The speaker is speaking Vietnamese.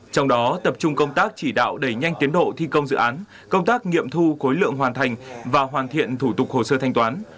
trong đó tập trung công tác chỉ đạo đẩy nhanh tiến độ thi công dự án công tác nghiệm thu khối lượng hoàn thành và hoàn thiện thủ tục hồ sơ thanh toán